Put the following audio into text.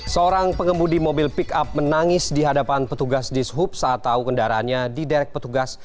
seorang pengemudi mobil pick up menangis di hadapan petugas di suhub saat tahu kendaraannya diderek petugas